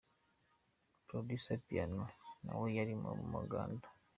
Producer Piano nawe yari mu muganda.